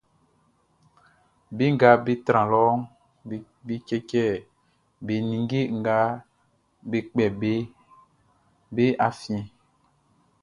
Be nga be tran lɔʼn, be cɛcɛ be ninnge nga be kpɛ beʼn be afiɛn.